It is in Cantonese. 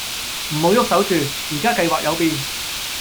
唔好喐手住，宜家計劃有變